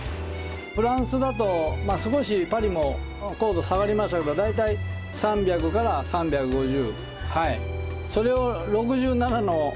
フランスだと少しパリも硬度下がりますけど大体３００３５０。